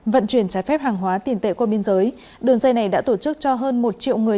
vận chuyển trái phép hàng hóa tiền tệ qua biên giới đường dây này đã tổ chức cho hơn một triệu người